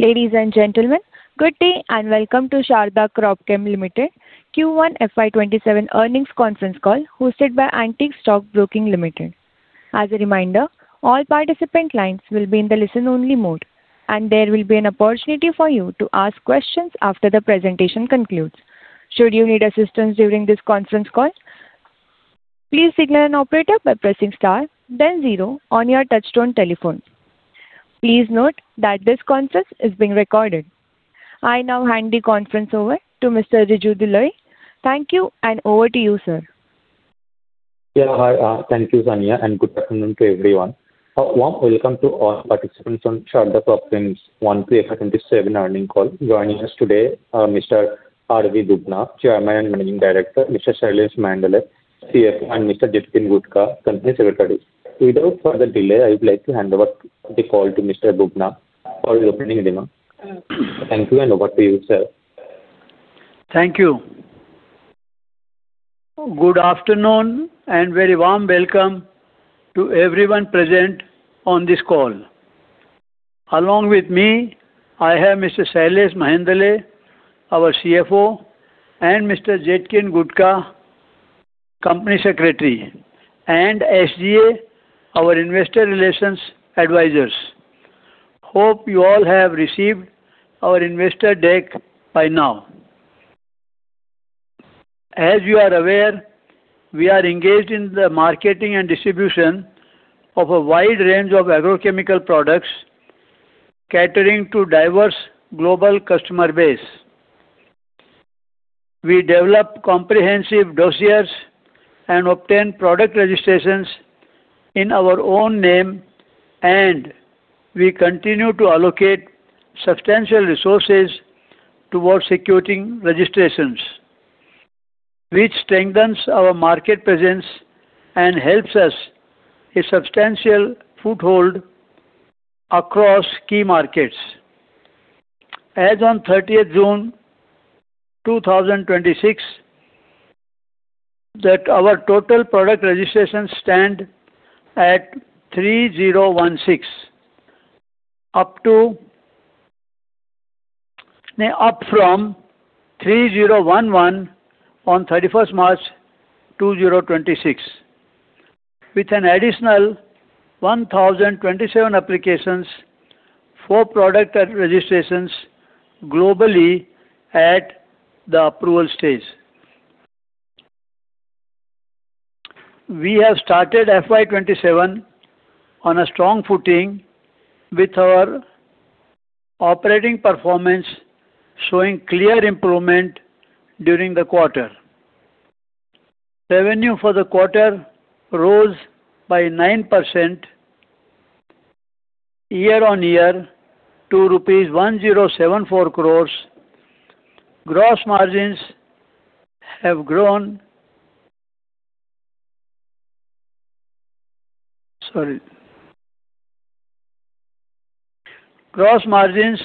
Ladies and gentlemen, good day and welcome to Sharda Cropchem Ltd Q1 FY 2027 earnings conference call hosted by Antique Stock Broking Ltd. As a reminder, all participant lines will be in the listen only mode, and there will be an opportunity for you to ask questions after the presentation concludes. Should you need assistance during this conference call, please signal an operator by pressing star then zero on your touchtone telephone. Please note that this conference is being recorded. I now hand the conference over to Mr. Riju Dalui. Thank you and over to you, sir. Thank you Sania, and good afternoon to everyone. A warm welcome to all participants on Sharda Cropchem's Q1 FY 2027 earning call. Joining us today, Mr. R.V. Bubna, Chairman and Managing Director, Mr. Shailesh Mehendale, CFO, and Mr. Jetkin Gudhka, Company Secretary. Without further delay, I would like to hand over the call to Mr. Bubna for his opening remarks. Thank you and over to you, sir. Thank you. Good afternoon and very warm welcome to everyone present on this call. Along with me, I have Mr. Shailesh Mehendale, our CFO, and Mr. Jetkin Gudhka, Company Secretary and SGA, our Investor Relations Advisors. Hope you all have received our investor deck by now. As you are aware, we are engaged in the marketing and distribution of a wide range of agrochemical products catering to diverse global customer base. We develop comprehensive dossiers and obtain product registrations in our own name, and we continue to allocate substantial resources towards securing registrations. Which strengthens our market presence and helps us a substantial foothold across key markets. As on 30th June 2026, our total product registration stand at 3,016, up from 3,011 on 31st March 2026. With an additional 1,027 applications for product registrations globally at the approval stage. We have started FY 2027 on a strong footing with our operating performance showing clear improvement during the quarter. Revenue for the quarter rose by 9% year-on-year to INR 1,074 crore. Gross margins have grown. Sorry. Gross margins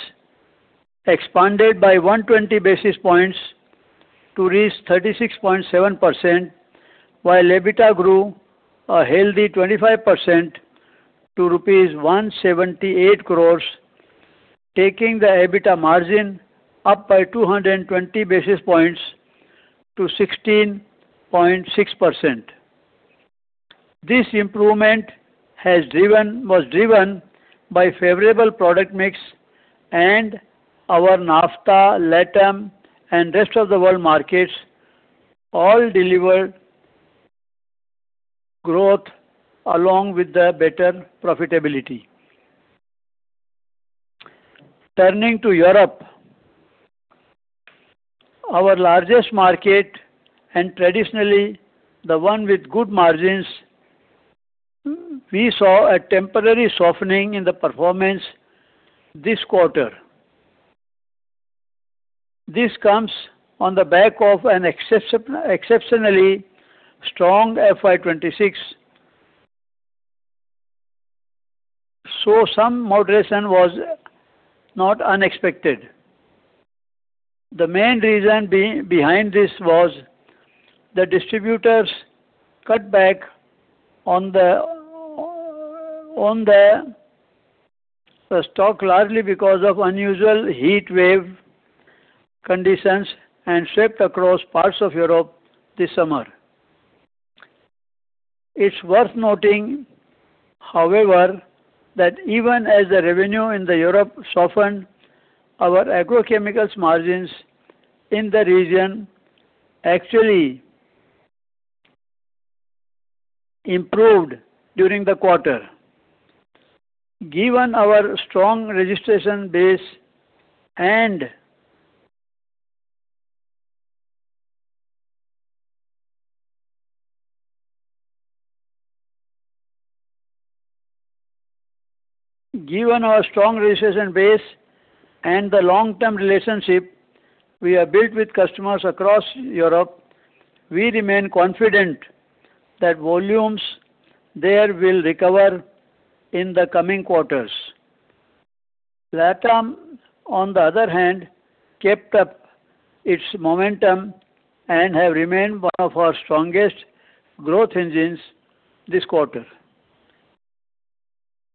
expanded by 120 basis points to reach 36.7%, while EBITDA grew a healthy 25% to INR 178 crore, taking the EBITDA margin up by 220 basis points to 16.6%. This improvement was driven by favorable product mix and our NAFTA, LATAM, and rest of the world markets all delivered growth along with the better profitability. Turning to Europe, our largest market and traditionally the one with good margins, we saw a temporary softening in the performance this quarter. This comes on the back of an exceptionally strong FY 2026, so some moderation was not unexpected. The main reason behind this was the distributors cut back on the stock largely because of unusual heat wave conditions and swept across parts of Europe this summer. It's worth noting, however, that even as the revenue in Europe softened, our agrochemicals margins in the region actually improved during the quarter. Given our strong registration base and the long-term relationship we have built with customers across Europe, we remain confident that volumes there will recover in the coming quarters. LATAM, on the other hand, kept up its momentum and have remained one of our strongest growth engines this quarter.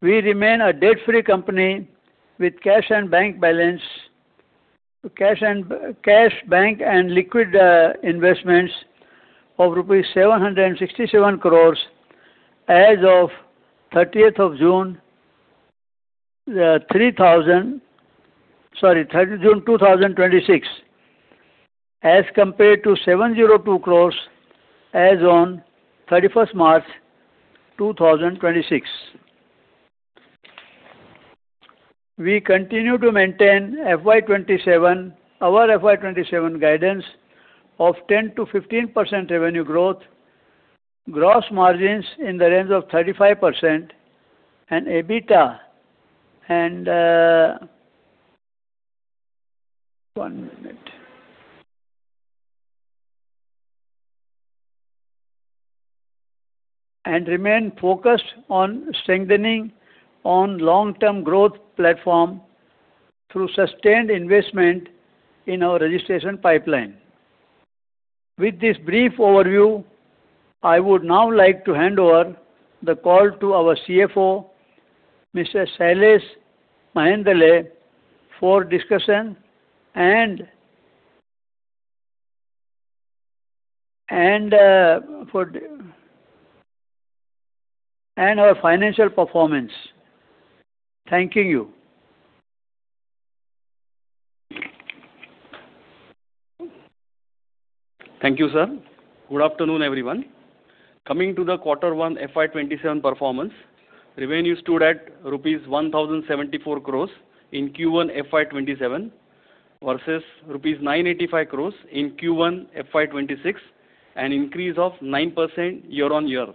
We remain a debt-free company with cash bank and liquid investments of rupees 767 crore as of 30th June 2026, as compared to 702 crore as on 31st March 2026. We continue to maintain our FY 2027 guidance of 10%-15% revenue growth, gross margins in the range of 35%, and EBITDA. One minute. Remain focused on strengthening on long-term growth platform through sustained investment in our registration pipeline. With this brief overview, I would now like to hand over the call to our CFO, Mr. Shailesh Mehendale, for discussion and our financial performance. Thanking you. Thank you, sir. Good afternoon, everyone. Coming to the quarter one FY 2027 performance, revenue stood at rupees 1,074 crore in Q1 FY 2027 versus rupees 985 crore in Q1 FY 2026, an increase of 9% year-on-year.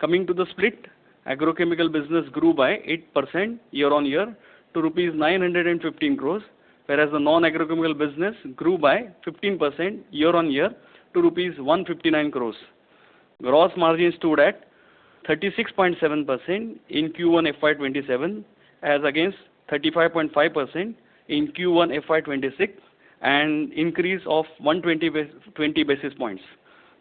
Coming to the split, agrochemical business grew by 8% year-on-year to rupees 915 crore, whereas the non-agrochemical business grew by 15% year-on-year to rupees 159 crore. Gross margin stood at 36.7% in Q1 FY 2027 as against 35.5% in Q1 FY 2026, an increase of 120 basis points.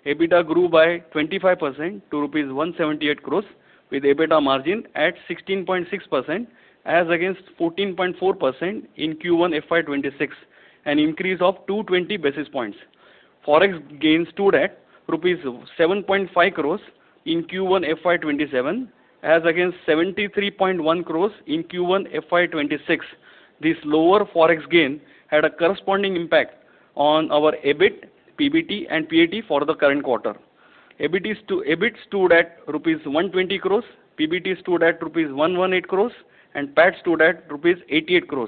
EBITDA grew by 25% to rupees 178 crore with EBITDA margin at 16.6% as against 14.4% in Q1 FY 2026, an increase of 220 basis points. Forex gains stood at rupees 7.5 crore in Q1 FY 2027 as against 73.1 crore in Q1 FY 2026. This lower Forex gain had a corresponding impact on our EBIT, PBT and PAT for the current quarter. EBIT stood at rupees 120 crore, PBT stood at rupees 118 crore and PAT stood at rupees 88 crore.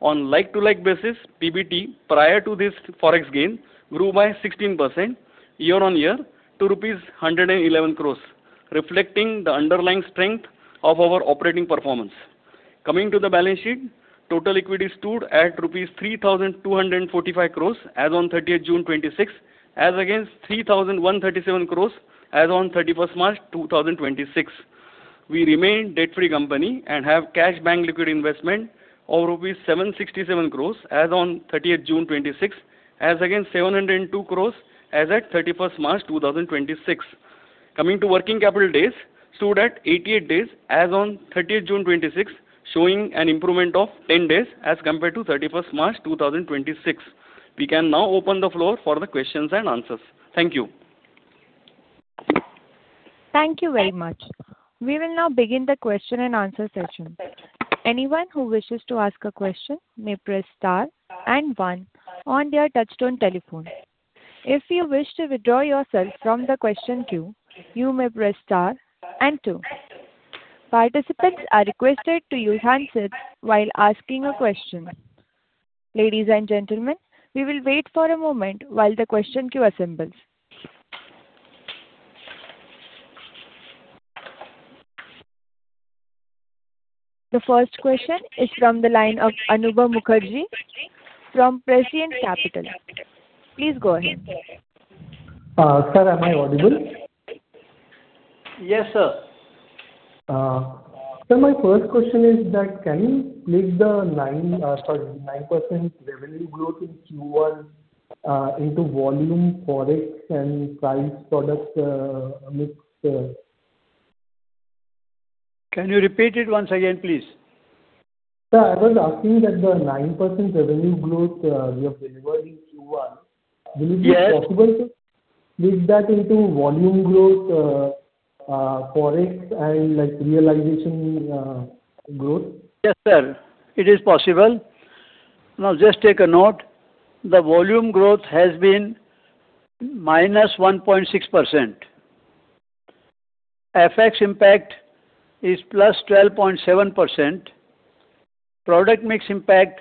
On like-to-like basis, PBT, prior to this Forex gain, grew by 16% year-on-year to rupees 111 crore, reflecting the underlying strength of our operating performance. Coming to the balance sheet, total equity stood at rupees 3,245 crore as on 30th June 2026, as against 3,137 crore as on 31st March 2026. We remain debt-free company and have cash bank liquid investment of 767 crore as on 30th June 2026, as against 702 crore as at 31st March 2026. Coming to working capital days stood at 88 days as on 30th June 2026, showing an improvement of 10 days as compared to 31st March 2026. We can now open the floor for the questions and answers. Thank you. Thank you very much. We will now begin the question and answer session. Anyone who wishes to ask a question may press star and one on their touchtone telephone. If you wish to withdraw yourself from the question queue, you may press star and two. Participants are requested to use handsets while asking a question. Ladies and gentlemen, we will wait for a moment while the question queue assembles. The first question is from the line of Anubhav Mukherjee from Prescient Capital. Please go ahead. Sir, am I audible? Yes, sir. Sir, my first question is that, can you split the 9% revenue growth in Q1 into volume, Forex and price product mix? Can you repeat it once again, please? Sir, I was asking that the 9% revenue growth you have delivered in Q1. Yes. Will it be possible to split that into volume growth, Forex, and realization growth? Yes, sir. It is possible. Now just take a note. The volume growth has been -1.6%. FX impact is +12.7%. Product mix impact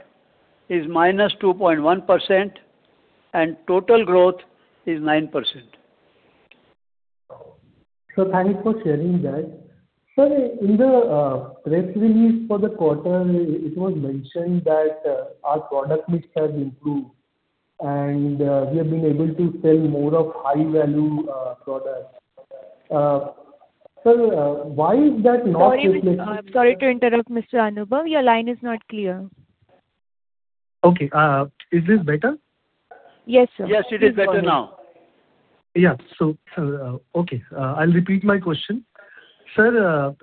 is -2.1%, and total growth is 9%. Sir, thanks for sharing that. Sir, in the press release for the quarter, it was mentioned that our product mix has improved and we have been able to sell more of high-value products. Sir, why is that not reflected- Sorry to interrupt, Mr. Anubhav. Your line is not clear. Okay. Is this better? Yes, sir. Yes, it is better now. Yeah. Okay. I'll repeat my question. Sir,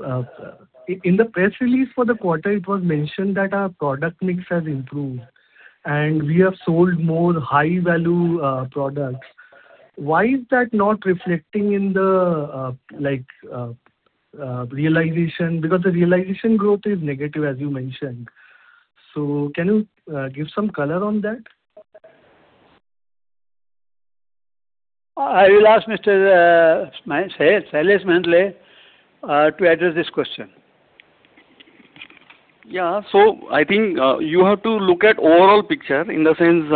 in the press release for the quarter, it was mentioned that our product mix has improved, and we have sold more high-value products. Why is that not reflecting in the realization? The realization growth is negative, as you mentioned. Can you give some color on that? I will ask Mr. Shailesh Mehendale to address this question. Yeah. I think you have to look at overall picture in the sense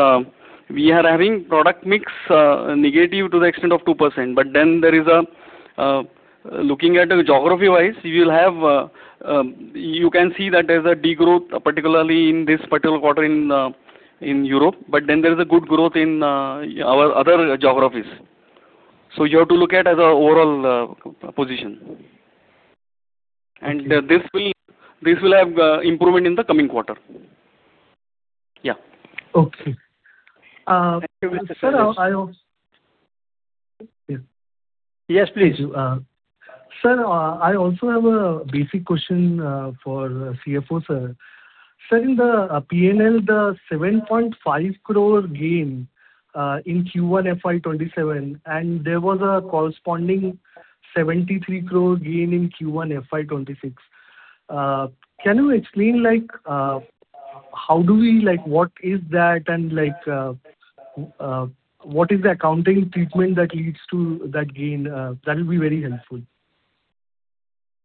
we are having product mix negative to the extent of 2%. Looking at geography-wise, you can see that there's a degrowth, particularly in this particular quarter in Europe. There is a good growth in our other geographies. You have to look at as an overall position. This will have improvement in the coming quarter. Yeah. Okay. Sir, I also- Yes, please. Sir, I also have a basic question for CFO sir. Sir, in the P&L, the 7.5 crore gain in Q1 FY 2027, and there was a corresponding 73 crore gain in Q1 FY 2026. Can you explain what is that and what is the accounting treatment that leads to that gain? That will be very helpful.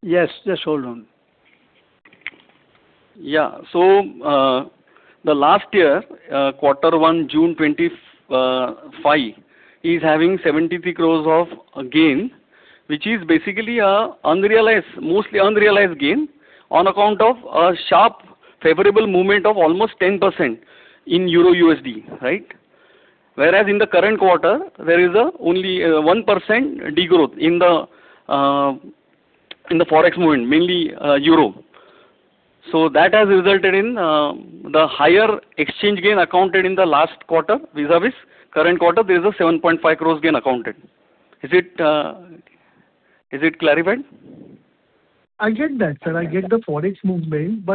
Yes, just hold on. The last year, quarter one, June 2025, is having 73 crore of gain, which is basically mostly unrealized gain on account of a sharp favorable movement of almost 10% in euro-USD, right? Whereas in the current quarter, there is only 1% degrowth in the Forex movement, mainly euro. That has resulted in the higher exchange gain accounted in the last quarter, vis-à-vis current quarter, there is a 7.5 crore gain accounted. Is it clarified? I get that, sir. I get the Forex movement.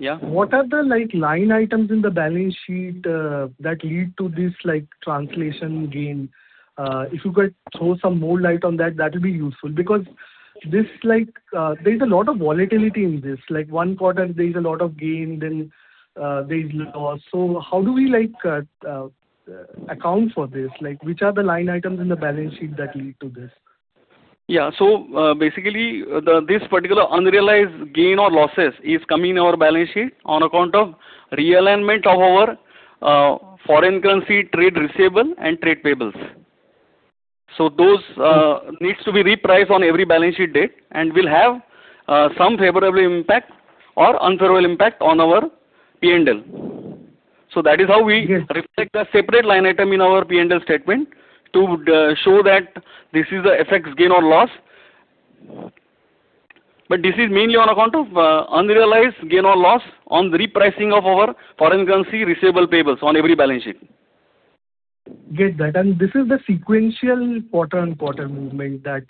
Yeah. What are the line items in the balance sheet that lead to this translation gain? If you could throw some more light on that would be useful. There's a lot of volatility in this. One quarter, there's a lot of gain, then there's loss. How do we account for this? Which are the line items in the balance sheet that lead to this? Basically, this particular unrealized gain or losses is coming in our balance sheet on account of realignment of our foreign currency trade receivable and trade payables. Those needs to be repriced on every balance sheet date and will have some favorable impact or unfavorable impact on our P&L. That is how we reflect a separate line item in our P&L statement to show that this is the FX gain or loss. This is mainly on account of unrealized gain or loss on repricing of our foreign currency receivable payables on every balance sheet. Get that. This is the sequential quarter-on-quarter movement that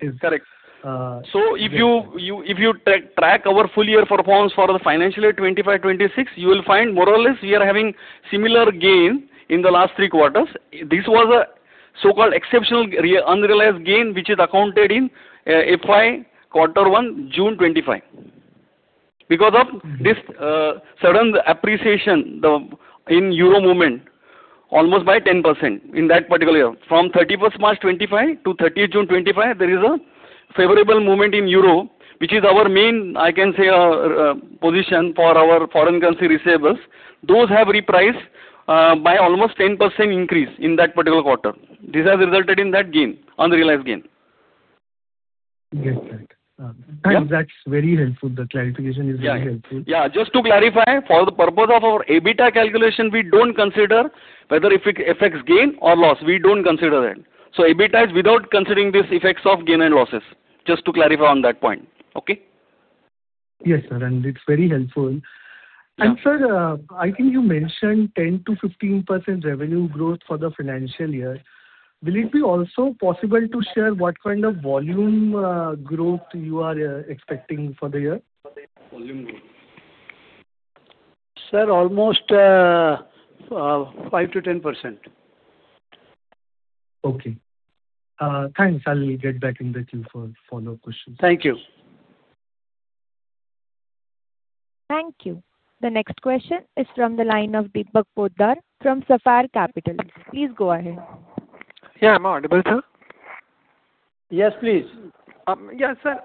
is. Correct. Yeah. If you track our full-year performance for the financial year 2025-2026, you will find more or less we are having similar gain in the last three quarters. This was a so-called exceptional unrealized gain, which is accounted in FY quarter one, June 2025. Because of this sudden appreciation in euro movement, almost by 10% in that particular year. From 31st March 2025-30 June 2025, there is a favorable movement in euro, which is our main, I can say, position for our foreign currency receivables. Those have repriced by almost 10% increase in that particular quarter. This has resulted in that gain, unrealized gain. Get that. That's very helpful. The clarification is very helpful. Yeah. Just to clarify, for the purpose of our EBITDA calculation, we don't consider whether it affects gain or loss. We don't consider that. EBITDA is without considering these effects of gain and losses. Just to clarify on that point. Okay? Yes, sir, it's very helpful. Sir, I think you mentioned 10%-15% revenue growth for the financial year. Will it be also possible to share what kind of volume growth you are expecting for the year? Volume growth. Sir, almost 5%-10%. Okay. Thanks. I'll get back in with you for follow-up questions. Thank you. Thank you. The next question is from the line of Deepak Poddar from Sapphire Capital. Please go ahead. Yeah. Am I audible, sir? Yes, please. Yeah, sir.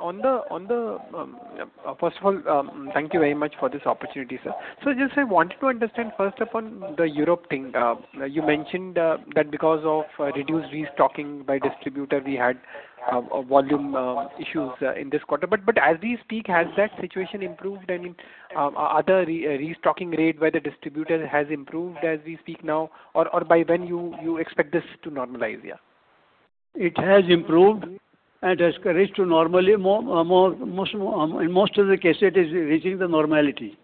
First of all, thank you very much for this opportunity, sir. Just I wanted to understand, first up, on the Europe thing. You mentioned that because of reduced restocking by distributor, we had volume issues in this quarter. But as we speak, has the restocking rate by the distributor has improved as we speak now? Or by when you expect this to normalize? Yeah. It has improved and has reached to normal, in most of the cases it is reaching the normality.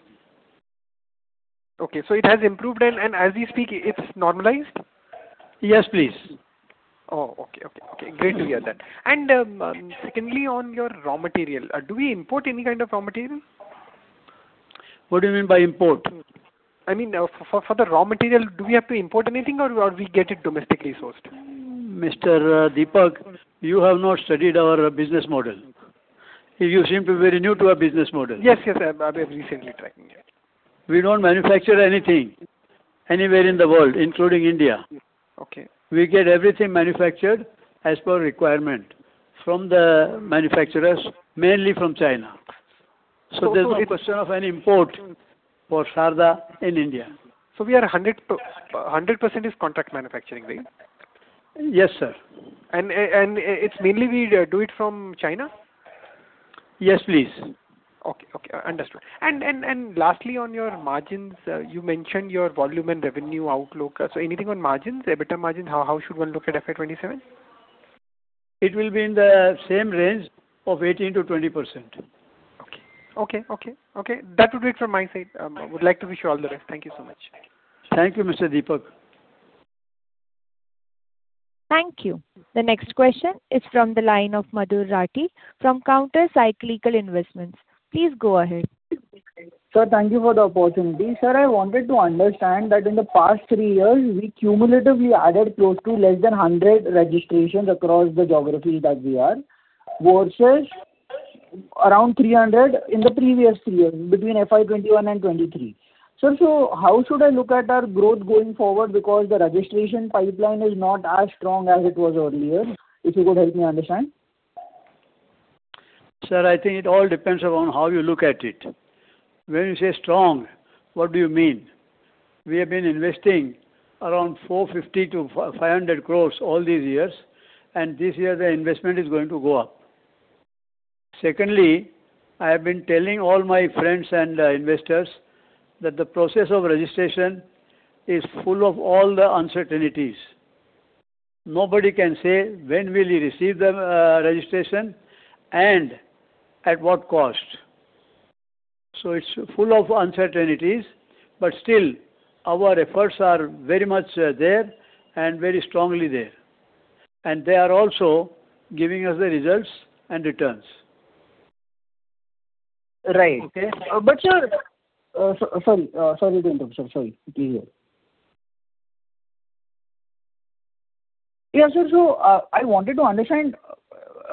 Okay. It has improved and as we speak, it's normalized? Yes, please. Oh, okay. Great to hear that. Secondly, on your raw material, do we import any kind of raw material? What do you mean by import? I mean, for the raw material, do we have to import anything or we get it domestically sourced? Mr. Deepak, you have not studied our business model. You seem to be very new to our business model. Yes. I'm recently tracking it. We don't manufacture anything anywhere in the world, including India. Okay. We get everything manufactured as per requirement from the manufacturers, mainly from China. There's no question of an import for Sharda in India. 100% is contract manufacturing, right? Yes, sir. It's mainly we do it from China? Yes, please. Okay. Understood. Lastly, on your margins, you mentioned your volume and revenue outlook. Anything on margins, EBITDA margins, how should one look at FY 2027? It will be in the same range of 18%-20%. Okay. That would be it from my side. Would like to wish you all the best. Thank you so much. Thank you, Mr. Deepak. Thank you. The next question is from the line of Madhur Rathi from Counter Cyclical Investments. Please go ahead. Sir, thank you for the opportunity. Sir, I wanted to understand that in the past three years, we cumulatively added close to less than 100 registrations across the geographies that we are, versus around 300 in the previous three years, between FY 2021 and 2023. Sir, how should I look at our growth going forward? Because the registration pipeline is not as strong as it was earlier. If you could help me understand. Sir, I think it all depends upon how you look at it. When you say strong, what do you mean? We have been investing around 450 crore-500 crore all these years, this year the investment is going to go up. Secondly, I have been telling all my friends and investors that the process of registration is full of all the uncertainties. Nobody can say when will he receive the registration and at what cost. It's full of uncertainties, but still, our efforts are very much there and very strongly there. They are also giving us the results and returns. Right. Sorry to interrupt, sir. Sorry. Please hear. Yeah, sir. I wanted to understand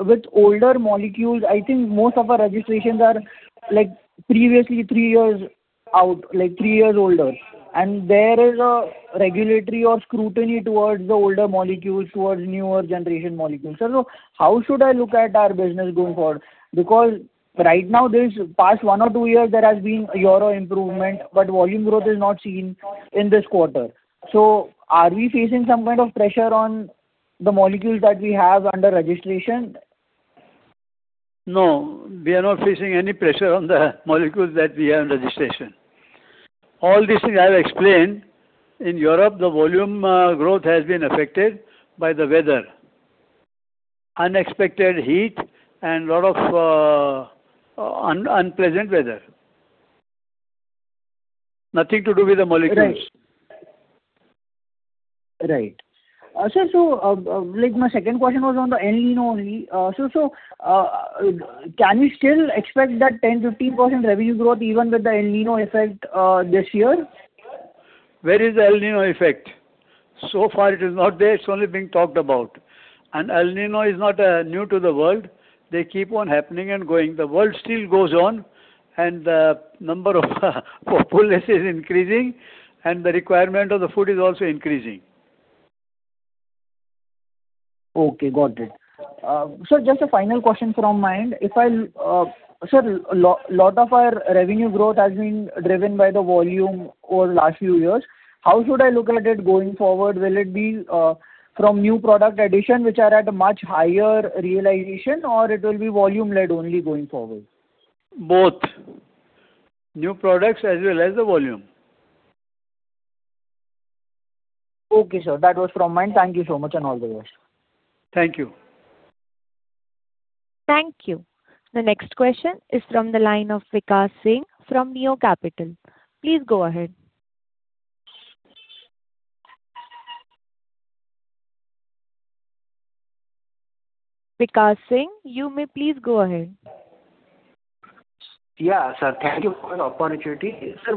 with older molecules, I think most of our registrations are previously three years out, like three years older, and there is a regulatory or scrutiny towards the older molecules, towards newer generation molecules. Sir, how should I look at our business going forward? Because right now, this past one or two years, there has been a year-over-year improvement, but volume growth is not seen in this quarter. Are we facing some kind of pressure on the molecules that we have under registration? No, we are not facing any pressure on the molecules that we have under registration. All these things I have explained. In Europe, the volume growth has been affected by the weather. Unexpected heat and lot of unpleasant weather. Nothing to do with the molecules. Right. Sir, my second question was on the El Niño. Can we still expect that 10%-15% revenue growth even with the El Niño effect this year? Where is the El Niño effect? Far it is not there. It's only being talked about. El Niño is not new to the world. They keep on happening and going. The world still goes on, and the number of populace is increasing, and the requirement of the food is also increasing. Okay, got it. Sir, just a final question from my end. Sir, lot of our revenue growth has been driven by the volume over last few years. How should I look at it going forward? Will it be from new product addition, which are at a much higher realization, or it will be volume-led only going forward? Both. New products as well as the volume. Okay, sir. That was from my end. Thank you so much and all the best. Thank you. Thank you. The next question is from the line of [Vikas Singh] from Neo Capital. Please go ahead. [Vikas Singh], you may please go ahead. Yeah, sir. Thank you for the opportunity. Sir,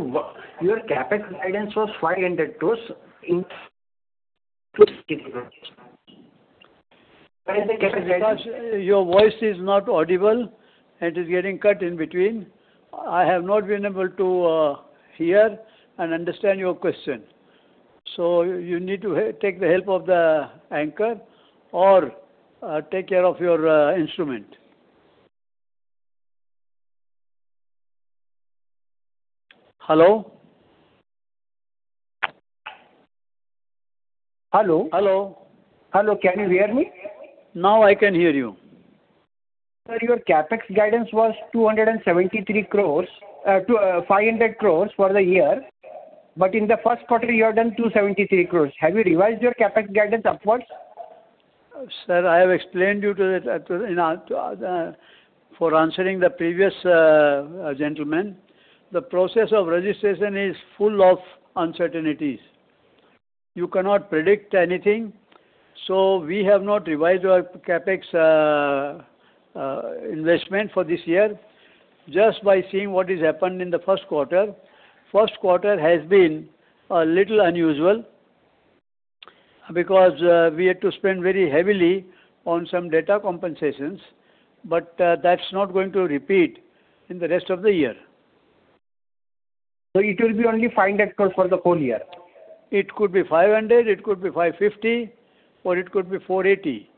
your CapEx guidance was 500 crore in. Vikas, your voice is not audible. It is getting cut in between. I have not been able to hear and understand your question. You need to take the help of the anchor or take care of your instrument. Hello? Hello. Hello, can you hear me? Now I can hear you. Sir, your CapEx guidance was 500 crore for the year, but in the first quarter you have done 273 crore. Have you revised your CapEx guidance upwards? Sir, I have explained you for answering the previous gentleman. The process of registration is full of uncertainties. You cannot predict anything, we have not revised our CapEx investment for this year just by seeing what has happened in the first quarter. First quarter has been a little unusual because we had to spend very heavily on some data compensations, but that's not going to repeat in the rest of the year. It will be only 500 crore for the whole year. It could be 500, it could be 550, or it could be 480.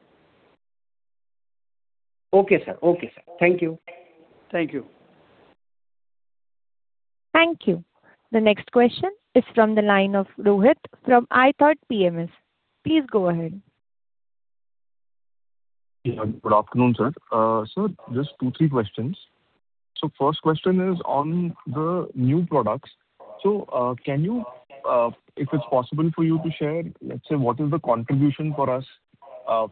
Okay, sir. Thank you. Thank you. Thank you. The next question is from the line of [Rohit] from iThought PMS. Please go ahead. Yeah. Good afternoon, sir. Sir, just two, three questions. First question is on the new products. Can you, if it's possible for you to share, let's say, what is the contribution for us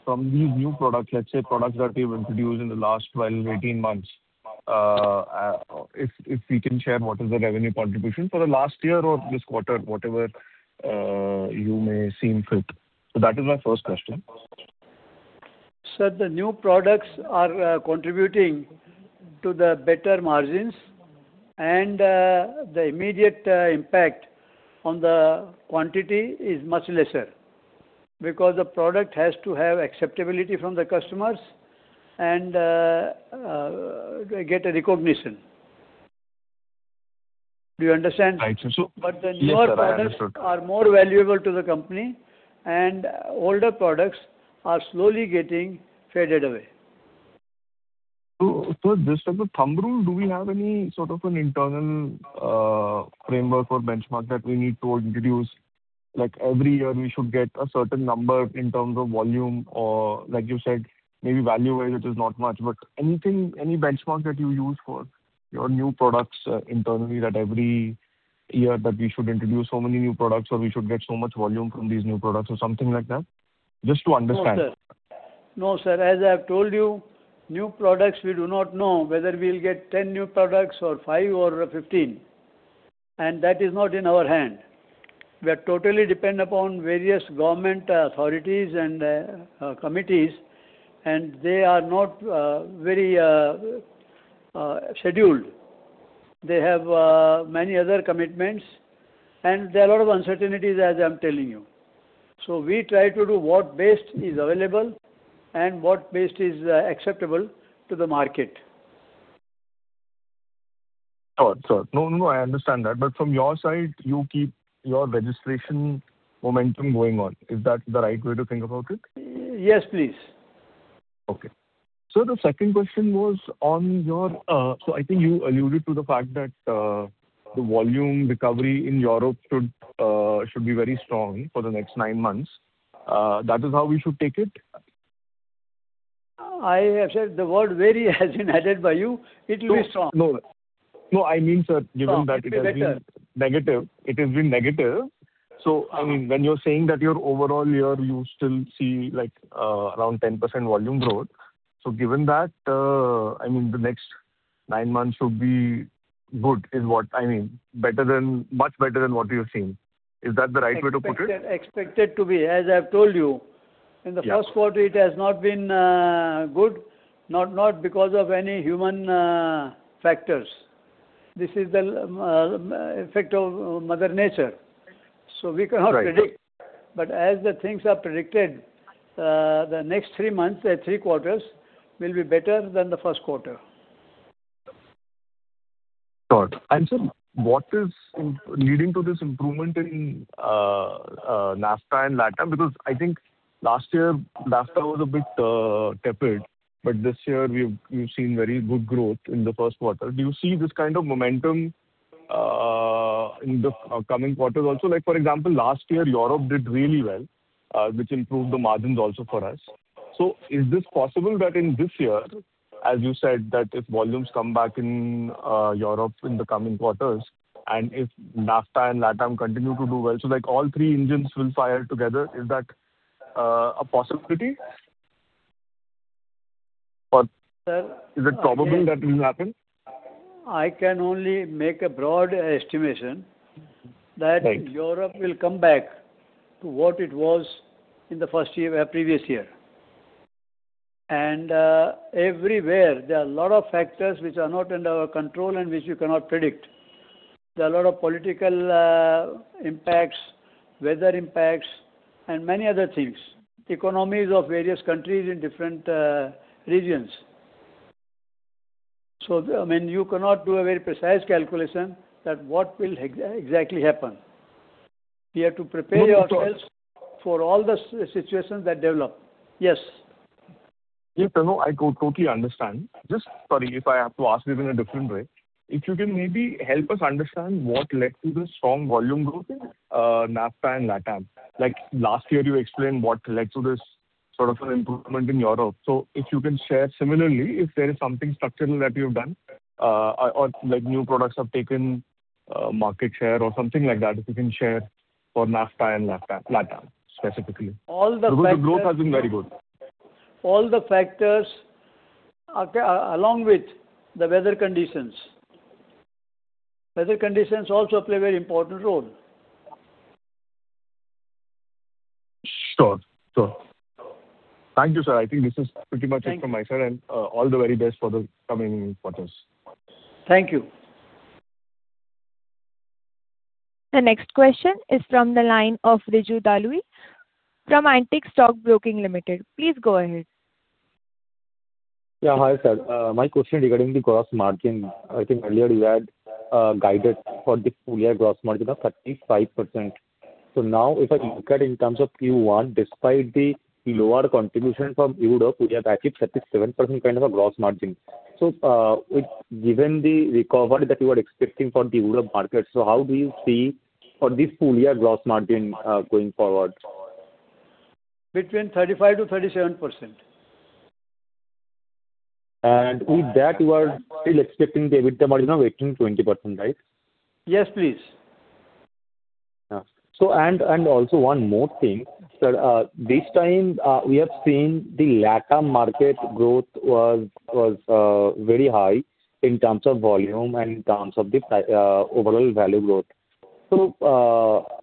from these new products, let's say, products that you've introduced in the last 12-18 months. If we can share what is the revenue contribution for the last year or this quarter, whatever you may see fit? That is my first question. Sir, the new products are contributing to the better margins and the immediate impact on the quantity is much lesser because the product has to have acceptability from the customers and get a recognition. Do you understand? Right, sir. Yes, sir. I understood. The newer products are more valuable to the company and older products are slowly getting faded away. Just as a thumb rule, do we have any sort of an internal framework or benchmark that we need to introduce? Like every year we should get a certain number in terms of volume or like you said, maybe value-wise it is not much, but any benchmark that you use for your new products internally that every year that we should introduce so many new products, or we should get so much volume from these new products or something like that? Just to understand. No, sir. As I have told you, new products, we do not know whether we'll get 10 new products or five or 15. That is not in our hand. We are totally dependent upon various government authorities and committees. They are not very scheduled. They have many other commitments. There are a lot of uncertainties, as I'm telling you. We try to do what best is available and what best is acceptable to the market. Got it, sir. I understand that. From your side, you keep your registration momentum going on. Is that the right way to think about it? Yes, please. Sir, the second question was I think you alluded to the fact that the volume recovery in Europe should be very strong for the next nine months. That is how we should take it? I have said the word "very" has been added by you. It will be strong. No. I mean, sir, given that- It will be better. it has been negative. When you're saying that your overall year you still see around 10% volume growth. Given that, the next nine months should be good is what I mean, much better than what you've seen. Is that the right way to put it? Expected to be. As I've told you, in the first quarter, it has not been good, not because of any human factors. This is the effect of Mother Nature. We cannot predict. As the things are predicted, the next three months, three quarters, will be better than the first quarter. Got it. Sir, what is leading to this improvement in NAFTA and LATAM? I think last year, NAFTA was a bit tepid, but this year we've seen very good growth in the first quarter. Do you see this kind of momentum in the coming quarters also? Like for example, last year Europe did really well, which improved the margins also for us. Is this possible that in this year, as you said, that if volumes come back in Europe in the coming quarters, and if NAFTA and LATAM continue to do well, so like all three engines will fire together. Is that a possibility? Is it probable that will happen? I can only make a broad estimation. That Europe will come back to what it was in the previous year. Everywhere, there are a lot of factors which are not under our control and which you cannot predict. There are a lot of political impacts, weather impacts, and many other things, economies of various countries in different regions. You cannot do a very precise calculation that what will exactly happen. We have to prepare ourselves for all the situations that develop. Yes. Yeah. No, I totally understand. Just sorry if I have to ask this in a different way. If you can maybe help us understand what led to the strong volume growth in NAFTA and LATAM. Like last year, you explained what led to this sort of an improvement in Europe. If you can share similarly, if there is something structural that you've done, or like new products have taken market share or something like that, if you can share for NAFTA and LATAM specifically? The growth has been very good. All the factors, along with the weather conditions. Weather conditions also play a very important role. Sure. Thank you, sir. I think this is pretty much it from my side. All the very best for the coming quarters. Thank you. The next question is from the line of Riju Dalui from Antique Stock Broking Ltd. Please go ahead. Yeah. Hi, sir. My question regarding the gross margin. I think earlier you had guided for this full year gross margin of 35%. Now if I look at in terms of Q1, despite the lower contribution from Europe, you have achieved 37% kind of a gross margin. With given the recovery that you are expecting from the Europe market, how do you see for this full year gross margin going forward? Between 35%-37%. With that, you are still expecting the EBITDA margin of 18%-20%, right? Yes, please. Also one more thing. Sir, this time we have seen the LATAM market growth was very high in terms of volume and in terms of the overall value growth.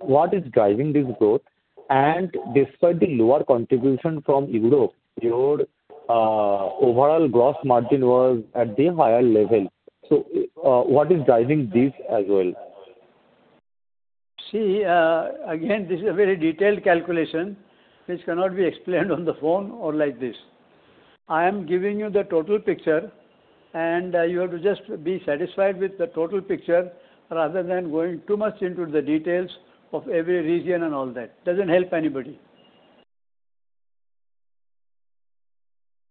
What is driving this growth? Despite the lower contribution from Europe, your overall gross margin was at the higher level. What is driving this as well? See, again, this is a very detailed calculation, which cannot be explained on the phone or like this. I am giving you the total picture, and you have to just be satisfied with the total picture rather than going too much into the details of every region and all that. Doesn't help anybody.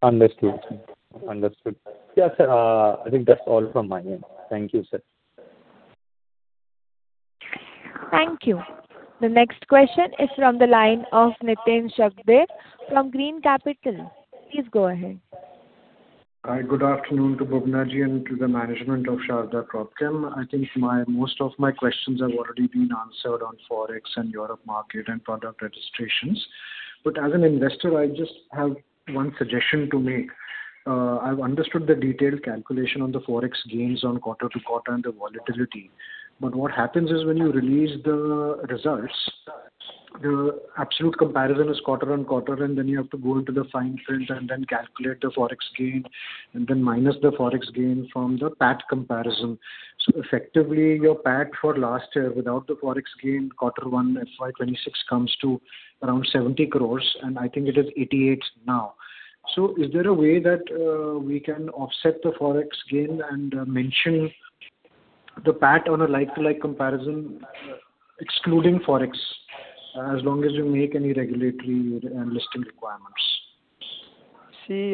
Understood. Yeah, sir. I think that's all from my end. Thank you, sir. Thank you. The next question is from the line of Nitin Shakdher from Green Capital. Please go ahead. Hi. Good afternoon to Bubna and to the management of Sharda Cropchem. I think most of my questions have already been answered on Forex and Europe market and product registrations. As an Investor, I just have one suggestion to make. I've understood the detailed calculation on the Forex gains on quarter-to-quarter and the volatility. What happens is when you release the results, the absolute comparison is quarter-on-quarter, and then you have to go into the fine print and then calculate the Forex gain, and then minus the Forex gain from the PAT comparison. Effectively, your PAT for last year without the Forex gain, Q1 FY 2026 comes to around 70 crore, and I think it is 88 now. Is there a way that we can offset the Forex gain and mention the PAT on a like-to-like comparison excluding Forex, as long as you make any regulatory and listing requirements? See,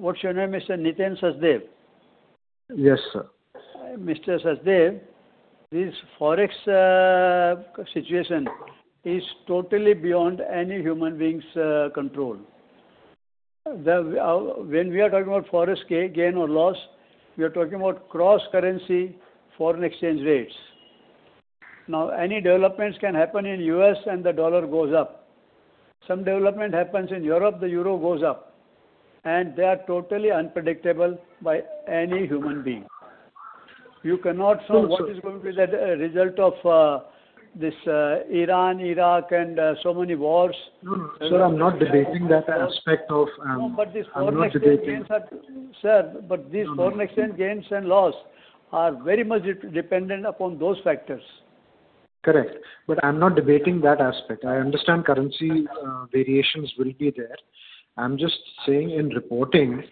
what's your name, Mr. Nitin Shakdher? Yes, sir. Mr. Shakdher, this Forex situation is totally beyond any human being's control. When we are talking about Forex gain or loss, we are talking about cross-currency foreign exchange rates. Now, any developments can happen in U.S. and the dollar goes up. Some development happens in Europe, the euro goes up. They are totally unpredictable by any human being. You cannot say, what is going to be the result of this Iran, Iraq, and so many wars. No, sir, I'm not debating that aspect of- No, this foreign exchange gains are. Sir, these foreign exchange gains and loss are very much dependent upon those factors. Correct. I'm not debating that aspect. I understand currency variations will be there. I'm just saying in reporting,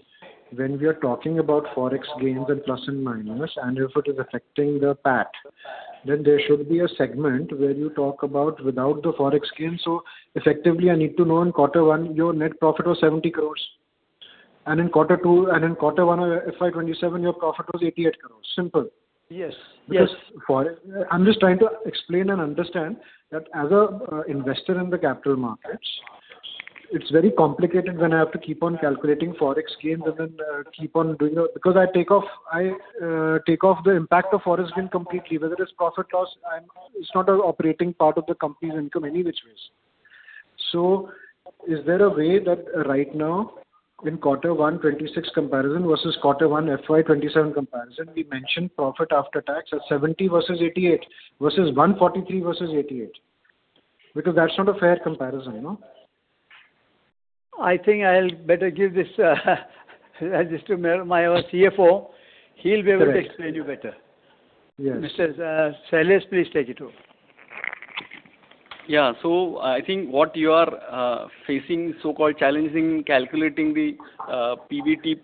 when we are talking about Forex gains and plus and minus, and if it is affecting the PAT, then there should be a segment where you talk about without the Forex gain. Effectively, I need to know in quarter one, your net profit was 70 crore, and in quarter one of FY 2027, your profit was 88 crore. Simple. I'm just trying to explain and understand that as an investor in the capital markets, it's very complicated when I have to keep on calculating Forex gains and then I take off the impact of Forex gain completely, whether it's profit loss, it's not an operating part of the company's income any which ways. Is there a way that right now in Q1 FY 2026 comparison versus Q1 FY 2027 comparison, we mention profit after tax as 70 crore versus 88 crore versus 143 crore versus 88 crore? That's not a fair comparison. I think I'll better give this to my CFO. He'll be able to explain you better. Mr. Shailesh, please take it too. I think what you are facing so-called challenging calculating the PBT,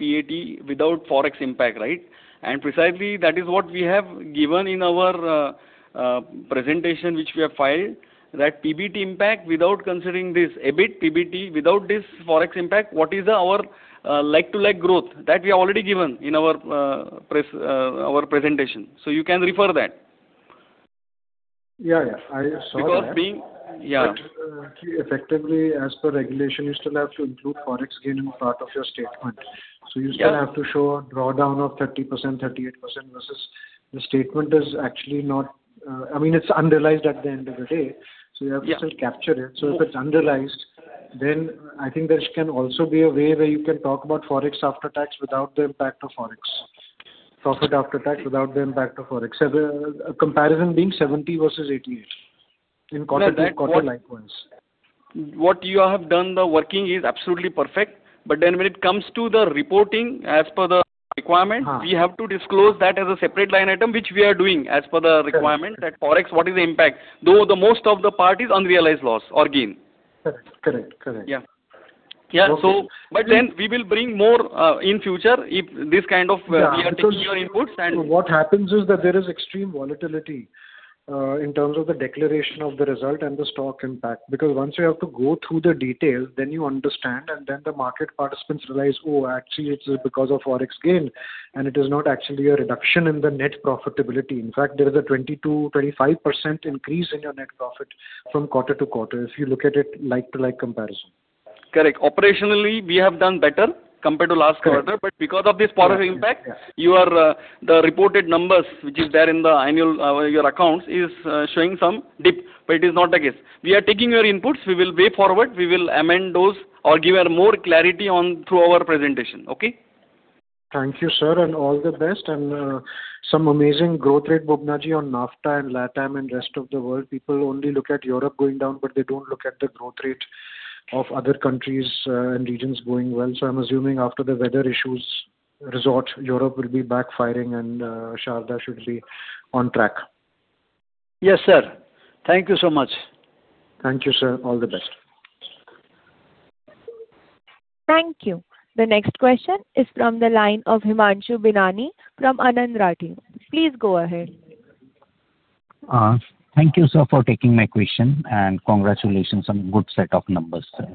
PAT without Forex impact, right? Precisely, that is what we have given in our presentation which we have filed, that PBT impact without considering this EBIT, PBT, without this Forex impact, what is our like-to-like growth? That we have already given in our presentation. You can refer that. Yeah, I saw that. Effectively, as per regulation, you still have to include Forex gain as part of your statement. You still have to show a drawdown of 30%-38% versus the statement is actually. It's unrealized at the end of the day. You have to still capture it. If it's unrealized, I think there can also be a way where you can talk about Forex after-tax without the impact of Forex. Profit after-tax without the impact of Forex. A comparison being 70 crore versus 88 crore in quarter-to-quarter like ones. What you have done, the working is absolutely perfect. When it comes to the reporting as per the requirement, we have to disclose that as a separate line item, which we are doing as per the requirement. That Forex, what is the impact? Though most of the part is unrealized loss or gain. Correct. Yeah. We will bring more in future if this kind of. We are taking your inputs and- What happens is that there is extreme volatility in terms of the declaration of the result and the stock impact. Once you have to go through the details, then you understand, and then the market participants realize, "Oh, actually it's because of Forex gain, and it is not actually a reduction in the net profitability." In fact, there is a 22%-25% increase in your net profit from quarter-to-quarter, if you look at it like-to-like comparison. Correct. Operationally, we have done better compared to last quarter. Because of this Forex impact, the reported numbers, which is there in your accounts, is showing some dip, but it is not the case. We are taking your inputs. We will way forward. We will amend those or give more clarity through our presentation. Okay? Thank you, sir. All the best. Some amazing growth rate, on NAFTA and LATAM and rest of the world. People only look at Europe going down, but they don't look at the growth rate of other countries and regions going well. I'm assuming after the weather issues resort, Europe will be backfiring and Sharda should be on track. Yes, sir. Thank you so much. Thank you, sir. All the best. Thank you. The next question is from the line of Himanshu Binani from Anand Rathi. Please go ahead. Thank you, sir, for taking my question. Congratulations on good set of numbers, sir.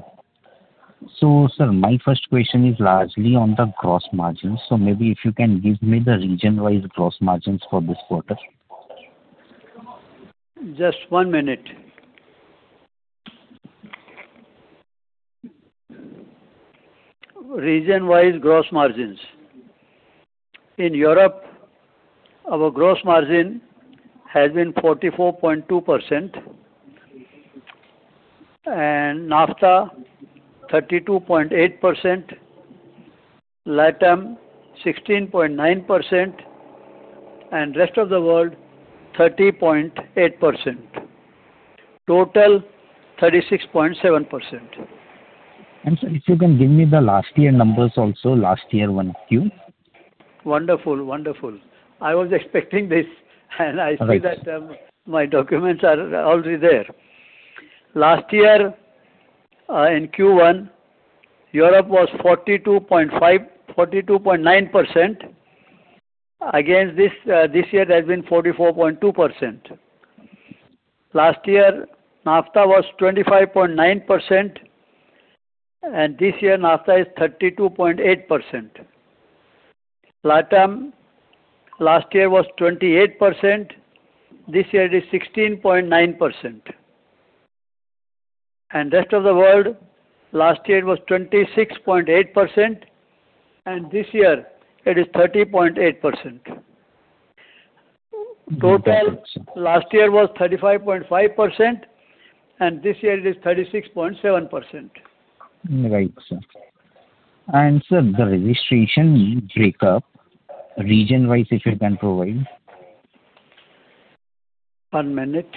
Sir, my first question is largely on the gross margins. Maybe if you can give me the region-wise gross margins for this quarter. Just one minute. Region-wise gross margins. In Europe, our gross margin has been 44.2%, NAFTA 32.8%, LATAM 16.9%, rest of the world 30.8%. Total, 36.7%. Sir, if you can give me the last year numbers also, last year 1Q. Wonderful. I was expecting this, I see that my documents are already there. Last year in Q1, Europe was 42.9%, against this year it has been 44.2%. Last year, NAFTA was 25.9%, this year, NAFTA is 32.8%. LATAM last year was 28%, this year it is 16.9%. Rest of the world, last year it was 26.8%, this year it is 30.8%. Total last year was 35.5%, this year it is 36.7%. Right, sir. Sir, the registration breakup, region-wise, if you can provide. One minute.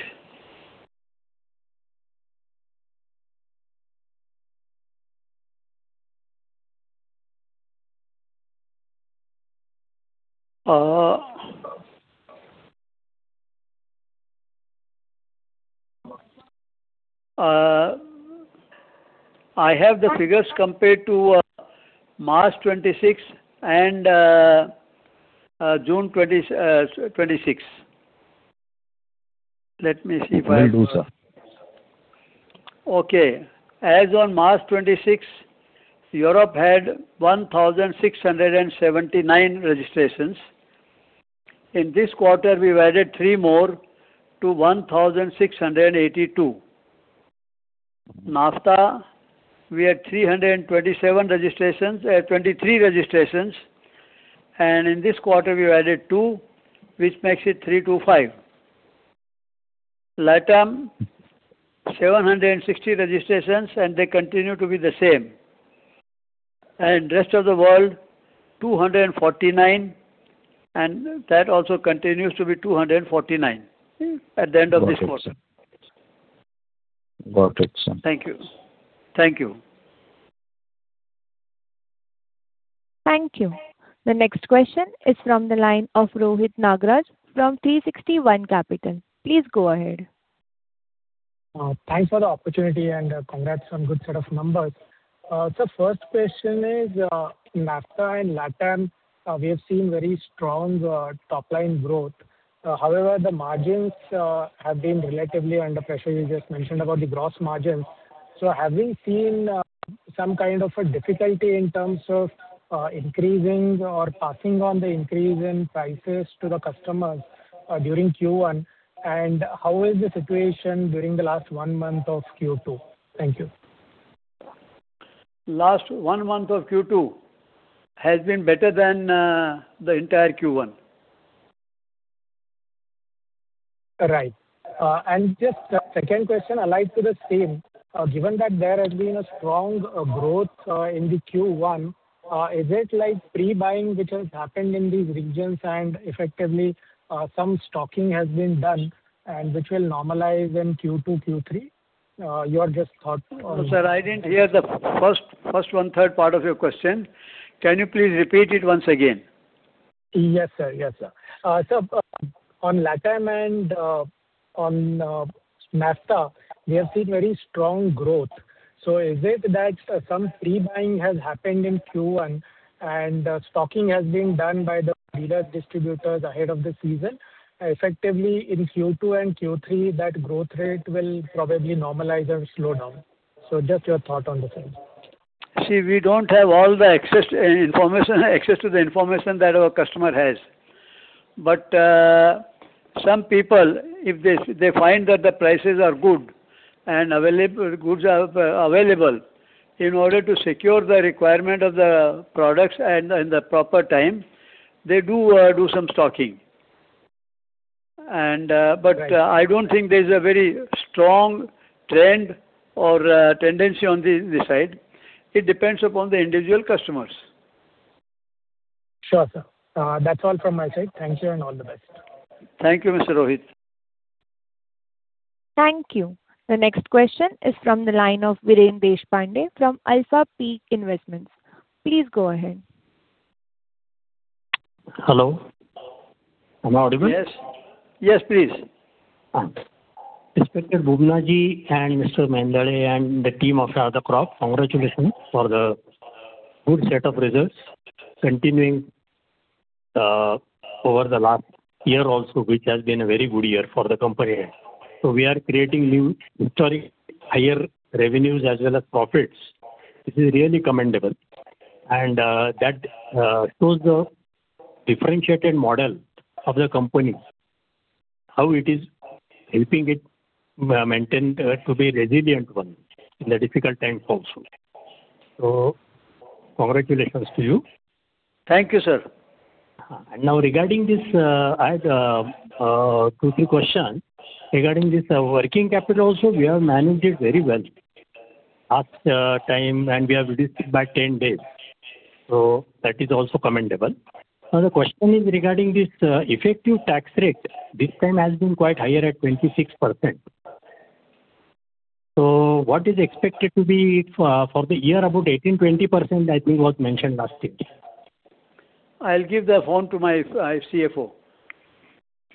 I have the figures compared to March 2026 and June 2026. Okay. Do, sir. Okay. As on March 2026, Europe had 1,679 registrations. In this quarter, we've added three more to 1,682. NAFTA, we had 323 registrations, and in this quarter we've added two, which makes it 325. LATAM, 760 registrations, and they continue to be the same. Rest of the world, 249, and that also continues to be 249 at the end of this quarter. Got it, sir. Thank you. Thank you. The next question is from the line of Rohit Nagraj from 360 ONE Capital. Please go ahead. Thanks for the opportunity, and congrats on good set of numbers. Sir, first question is, NAFTA and LATAM, we have seen very strong top-line growth. However, the margins have been relatively under pressure. You just mentioned about the gross margins. Have we seen some kind of a difficulty in terms of increasing or passing on the increase in prices to the customers during Q1, and how is the situation during the last one month of Q2? Thank you. Last one month of Q2 has been better than the entire Q1. Right. Just a second question alike to the same. Given that there has been a strong growth in Q1, is it like pre-buying which has happened in these regions, and effectively some stocking has been done and which will normalize in Q2-Q3? Your just thought on the same? Sir, I didn't hear the first 1/3 part of your question. Can you please repeat it once again? Yes, sir. On LATAM and on NAFTA, we have seen very strong growth. Is it that some pre-buying has happened in Q1 and stocking has been done by the dealer distributors ahead of the season? Effectively in Q2 and Q3, that growth rate will probably normalize or slow down. Just your thought on the same. See, we don't have all the access to the information that our customer has. Some people, if they find that the prices are good and available goods are available, in order to secure the requirement of the products and in the proper time, they do some stocking. Right. I don't think there's a very strong trend or tendency on this side. It depends upon the individual customers. Sure, sir. That's all from my side. Thank you and all the best. Thank you, Mr. Rohit. Thank you. The next question is from the line of Viren Deshpande from Alphapeak Investments. Please go ahead. Hello? Am I audible? Yes. Yes, please. Mr. Bubna and Mr. Mehendale and the team of Sharda Cropchem, congratulations for the good set of results continuing over the last year also, which has been a very good year for the company. We are creating new historic higher revenues as well as profits. This is really commendable, that shows the differentiated model of the company, how it is helping it maintain to be resilient one in the difficult times also. Congratulations to you. Thank you, sir. Regarding this, I had two, three questions. Regarding this working capital also, we have managed it very well last time, and we have reduced it by 10 days. That is also commendable. The question is regarding this effective tax rate. This time has been quite higher at 26%. What is expected to be for the year? About 18%-20% I think was mentioned last week. I'll give the phone to my CFO.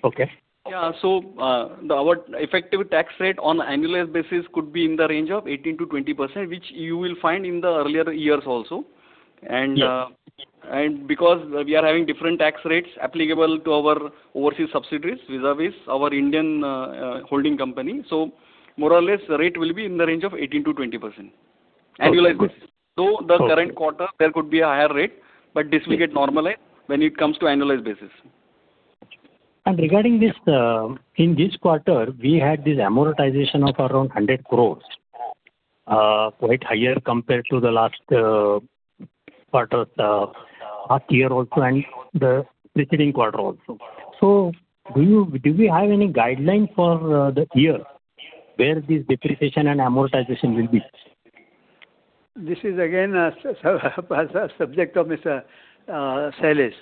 Okay. Our effective tax rate on annualized basis could be in the range of 18%-20%, which you will find in the earlier years also. Because we are having different tax rates applicable to our overseas subsidiaries vis-à-vis our Indian holding company, more or less, the rate will be in the range of 18%-20%. Annualized basis. The current quarter, there could be a higher rate, but this will get normalized when it comes to annualized basis. Regarding this, in this quarter, we had this amortization of around 100 crore, quite higher compared to the last quarter of last year also, and the preceding quarter also. Do we have any guideline for the year where this depreciation and amortization will be? This is again a subject of Mr. Shailesh.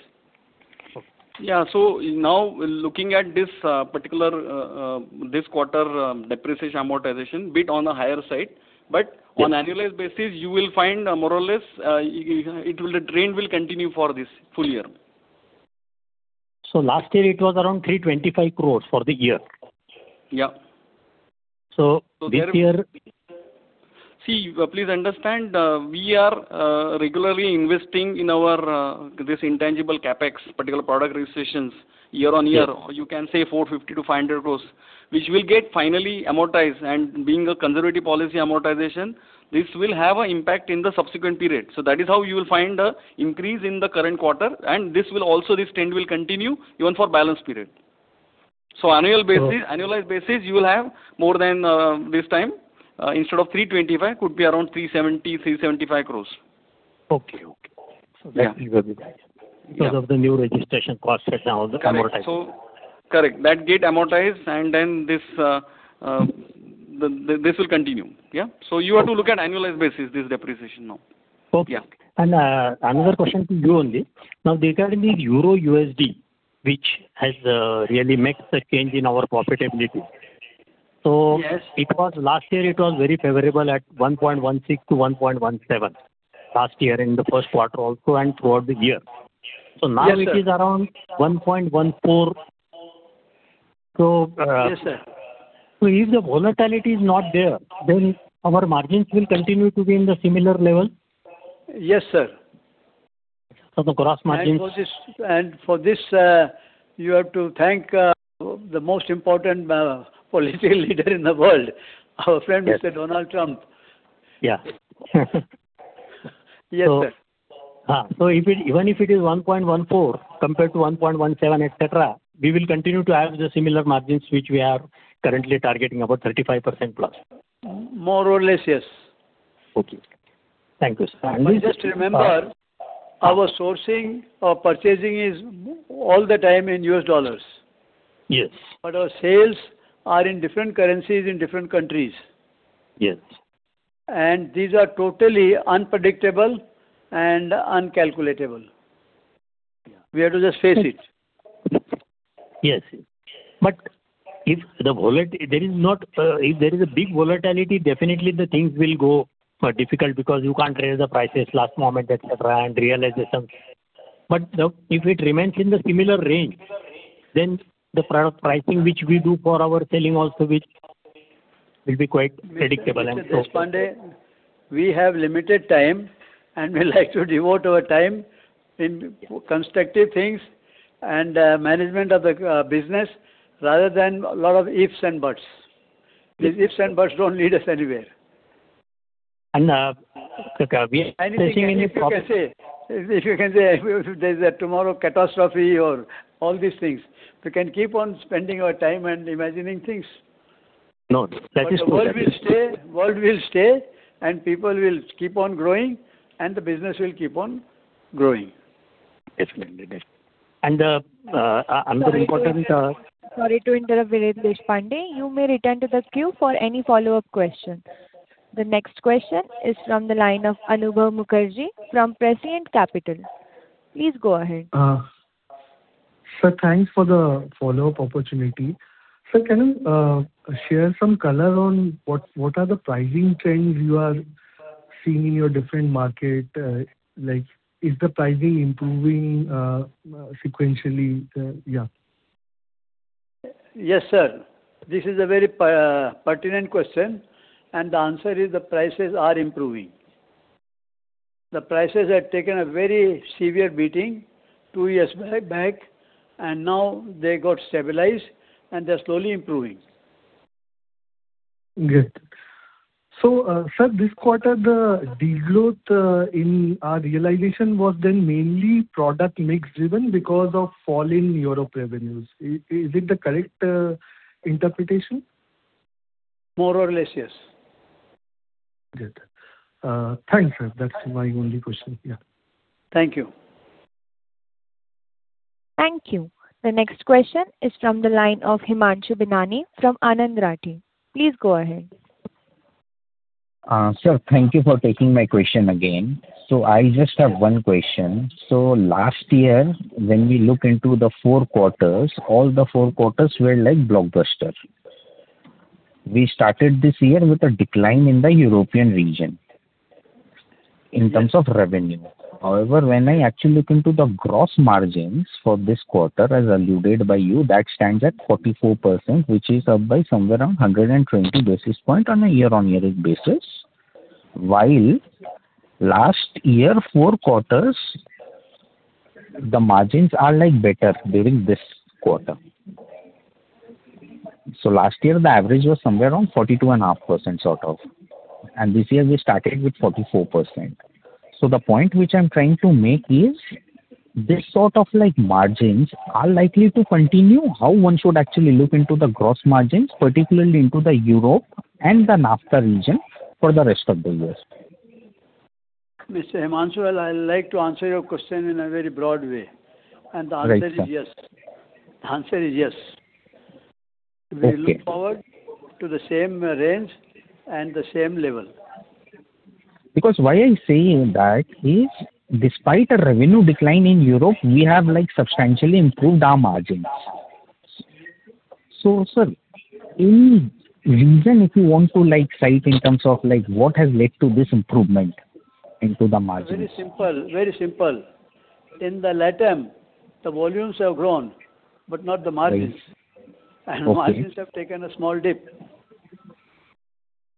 Yeah. Now looking at this particular this quarter depreciation, amortization, bit on a higher side. On annualized basis, you will find more or less it will trend will continue for this full year. Last year it was around 325 crore for the year? Yeah. This year- See, please understand, we are regularly investing in our this intangible CapEx, particular product registrations year-on-year. Yes. You can say 450 crore-500 crore, which will get finally amortized and being a conservative policy amortization, this will have an impact in the subsequent period. That is how you will find an increase in the current quarter, and this trend will continue even for balance period. Annualized basis you will have more than this time. Instead of 325 could be around 370 crore-375 crore. Okay. That will be nice. Because of the new registration cost right now, is amortized? Correct. That get amortized, this will continue. Yeah. You have to look at annualized basis, this depreciation now. Okay Yeah. Another question to you only. Regarding euro-USD, which has really made the change in our profitability. Last year it was very favorable at 1.16-1.17, last year in the first quarter also and throughout the year. Now it is around 1.14. Yes, sir. If the volatility is not there, then our margins will continue to be in the similar level? Yes, sir. For this, you have to thank the most important political leader in the world, our friend, Mr. Donald Trump. Yeah. Yes, sir. Even if it is 1.14 compared to 1.17, etc., we will continue to have the similar margins which we are currently targeting about 35%+. More or less, yes. Okay. Thank you, sir. Just remember, our sourcing or purchasing is all the time in U.S. dollars. Our sales are in different currencies in different countries. Yes. These are totally unpredictable and incalculable. We have to just face it. Yes. If there is a big volatility, definitely the things will go difficult because you can't raise the prices last moment, etc., and realization. If it remains in the similar range, then the product pricing which we do for our selling also will be quite predictable and so? Mr. Deshpande, we have limited time, and we like to devote our time in constructive things and management of the business rather than a lot of ifs and buts, because ifs and buts don't lead us anywhere. We are facing many problems. If you can say there's a tomorrow catastrophe or all these things, we can keep on spending our time and imagining things. No, that is true. The world will stay and people will keep on growing and the business will keep on growing. Yes. Another important- Sorry to interrupt, Mr. Deshpande. You may return to the queue for any follow-up question. The next question is from the line of Anubhav Mukherjee from Prescient Capital. Please go ahead. Sir, thanks for the follow-up opportunity. Sir, can you share some color on what are the pricing trends you are seeing in your different market? Like, is the pricing improving sequentially? Yeah. Yes, sir. This is a very pertinent question, and the answer is the prices are improving. The prices had taken a very severe beating two years back, and now they got stabilized and they're slowly improving. Good. Sir, this quarter, the de-growth in our realization was then mainly product mix driven because of fall in Europe revenues. Is it the correct interpretation? More or less, yes. Good. Thanks, sir. That's my only question. Yeah. Thank you. Thank you. The next question is from the line of Himanshu Binani from Anand Rathi. Please go ahead. Sir, thank you for taking my question again. I just have one question. Last year, when we look into the four quarters, all the four quarters were like blockbuster. We started this year with a decline in the European region in terms of revenue. However, when I actually look into the gross margins for this quarter, as alluded by you, that stands at 44%, which is up by somewhere around 120 basis points on a year-on-year basis. While last year, four quarters, the margins are better during this quarter. Last year, the average was somewhere around 42.5% sort of, and this year we started with 44%. The point which I'm trying to make is, this sort of margins are likely to continue. How one should actually look into the gross margins, particularly into the Europe and the NAFTA region for the rest of the years? Mr. Himanshu, I'd like to answer your question in a very broad way. Right, sir. The answer is yes. We look forward to the same range and the same level. Why I'm saying that is despite a revenue decline in Europe, we have substantially improved our margins. Sir, any reason if you want to cite in terms of what has led to this improvement into the margins? Very simple. In the LATAM, the volumes have grown, but not the margins. Right. Okay. Margins have taken a small dip.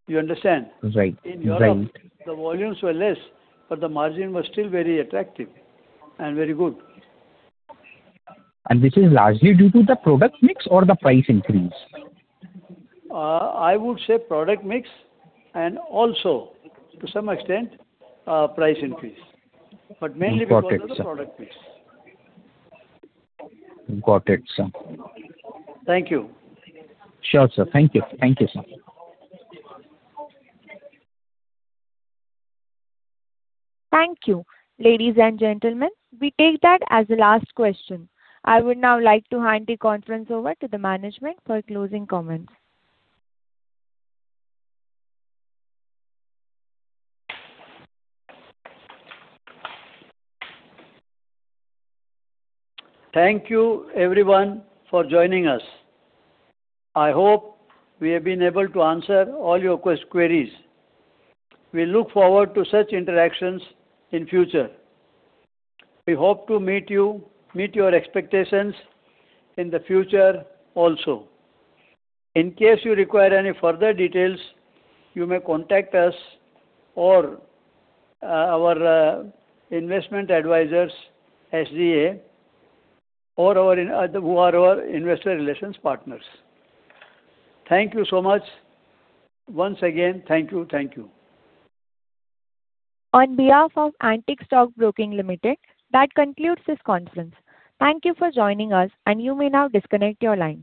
You understand? In Europe, the volumes were less, but the margin was still very attractive and very good. This is largely due to the product mix or the price increase? I would say product mix and also to some extent, price increase. Mainly because of the product mix. Got it, sir. Thank you. Sure, sir. Thank you, sir. Thank you. Ladies and gentlemen, we take that as the last question. I would now like to hand the conference over to the management for closing comments. Thank you everyone for joining us. I hope we have been able to answer all your queries. We look forward to such interactions in future. We hope to meet your expectations in the future also. In case you require any further details, you may contact us or our Investment Advisors, SGA, who are our Investor Relations Partners. Thank you so much. Once again, thank you. On behalf of Antique Stock Broking Ltd, that concludes this conference. Thank you for joining us, and you may now disconnect your lines.